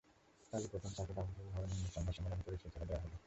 কালই প্রথম তাঁকে বাফুফে ভবনে এনে সংবাদ সম্মেলনে পরিচয় করিয়ে দেওয়া হলো।